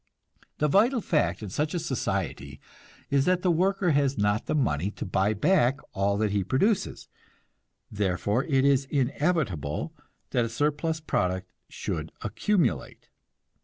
The vital fact in such a society is that the worker has not the money to buy back all that he produces; therefore it is inevitable that a surplus product should accumulate.